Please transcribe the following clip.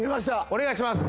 お願いします！